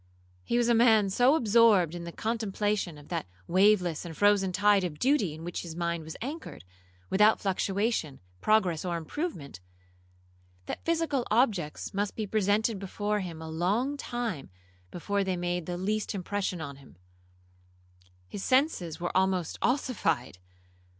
He was a man so absorbed in the contemplation of that waveless and frozen tide of duty in which his mind was anchored, without fluctuation, progress, or improvement, that physical objects must be presented before him a long time before they made the least impression on him,—his senses were almost ossified.